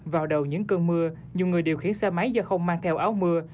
vào đầu những cơn mưa nhiều người điều khiển xe máy do không mang theo áo mưa